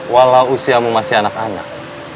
walau usiamu masih anak anak